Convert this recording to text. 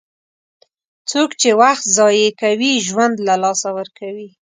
څوک چې وخت ضایع کوي، ژوند له لاسه ورکوي.